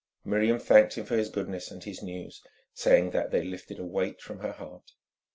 Miriam thanked him for his goodness and his news, saying that they lifted a weight from her heart.